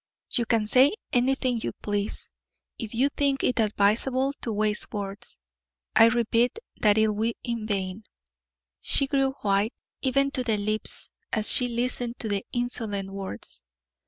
You can say anything you please, if you think it advisable to waste words; I repeat that it will be in vain." She grew white, even to the lips, as she listened to the insolent words.